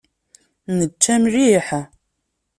Nečča mliḥ.